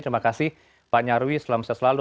terima kasih pak nyarwi selamat siang selalu